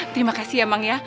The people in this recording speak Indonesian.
terima kasih ya bang ya